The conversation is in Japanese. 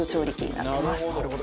なるほど。